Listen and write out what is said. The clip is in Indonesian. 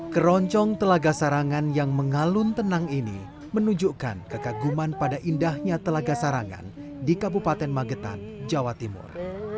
keroncong telaga sarangan yang mengalun tenang ini menunjukkan kekaguman pada indahnya telaga sarangan di kabupaten magetan jawa timur